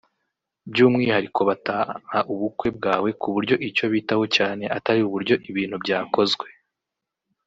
by’umwihariko bataha ubukwe bwawe ku buryo icyo bitaho cyane atari uburyo ibintu byakozwe